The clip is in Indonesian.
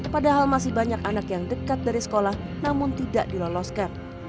padahal masih banyak anak yang dekat dari sekolah namun tidak diloloskan